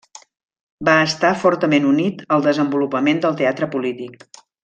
Va estar fortament unit al desenvolupament del teatre polític.